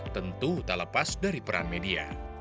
tentu tak lepas dari peran media